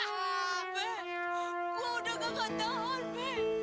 be gua udah nggak ngan tahan be